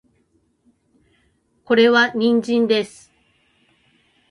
これは人参です